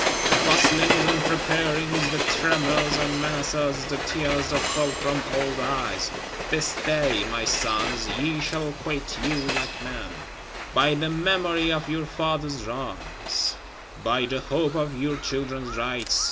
The bustlings and preparings, the tremors and menaces; the tears that fell from old eyes! This day, my sons, ye shall quit you like men. By the memory of your fathers' wrongs; by the hope of your children's rights!